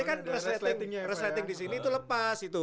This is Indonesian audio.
ini kan resleting resleting disini itu lepas itu